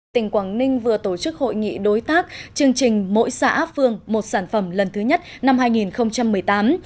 tỉnh quảng ninh vừa tổ chức hội nghị đối tác chương trình mỗi xã phương một sản phẩm lần thứ nhất năm hai nghìn một mươi tám